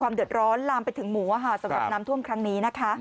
เดือดร้อนลามไปถึงหมูสำหรับน้ำท่วมครั้งนี้นะคะ